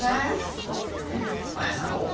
前橋さん